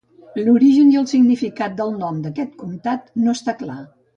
L'origen i el significat del nom d'aquest comtat no està clar.